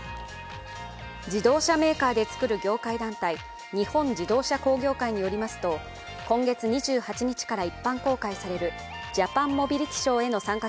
自動車メーカーで作る業界団体、日本自動車工業会によりますと、今月２８日から一般公開されるＪＡＰＡＮＭＯＢＩＬＩＴＹＳＨＯＷへの参加